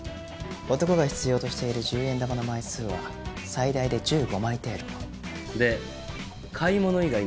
男が必要としている１０円玉の枚数は最大で１５枚程度。で買い物以外の目的。